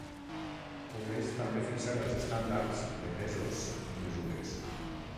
Pugues també fixar els estàndards de pesos i mesures.